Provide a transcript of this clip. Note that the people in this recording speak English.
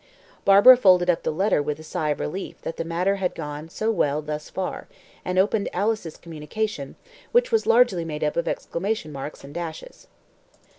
Barbara folded up the letter with a sigh of relief that the matter had gone so well thus far, and opened Alice's communication, which was largely made up of exclamation marks and dashes.